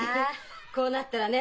こうなったらね